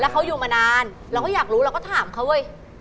เขาอยู่มานานเราก็อยากรู้เราก็ถามเขาเว้ย